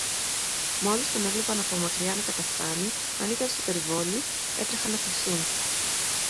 Μόλις τον έβλεπαν από μακριά να καταφθάνει, αν ήταν στο περιβόλι, έτρεχαν να κρυφθούν